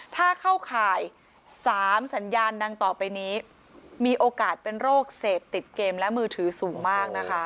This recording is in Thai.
ถ้าเข้าข่าย๓สัญญาณดังต่อไปนี้มีโอกาสเป็นโรคเสพติดเกมและมือถือสูงมากนะคะ